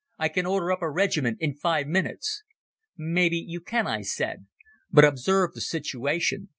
"I can order up a regiment in five minutes." "Maybe you can," I said; "but observe the situation.